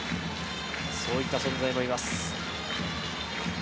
そういった存在もいます。